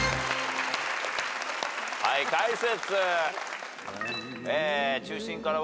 はい解説。